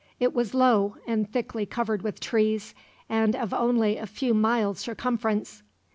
It was low, and thickly covered with trees, and of only a few miles' circumference.